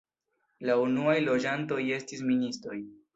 La unuaj loĝantoj estis ministoj.